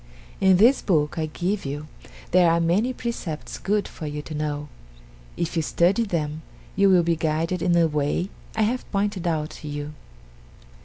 "In this book I give you there are many precepts good for you to know if you study them, you will be guided in the way I have pointed out to you."